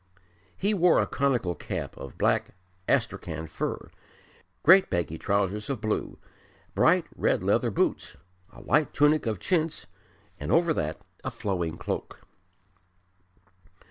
He wore a conical cap of black Astrakhan fur, great baggy trousers of blue, bright red leather boots, a light tunic of chintz, and over that a flowing cloak.